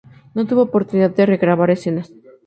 No tuvo oportunidad de re-grabar escenas.